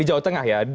di jawa tengah ya